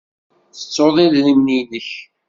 Tettuḍ idrimen-nnek?